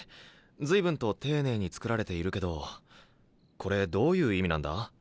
随分と丁寧に作られているけどこれどういう意味なんだ？